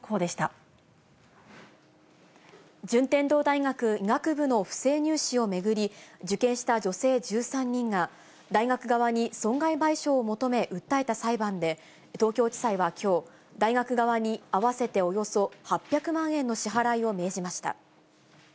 順天堂大学医学部の不正入試を巡り、受験した女性１３人が、大学側に損害賠償を求め訴えた裁判で、東京地裁はきょう、大学側に合わせておよそ８００万円の支払いを命じました。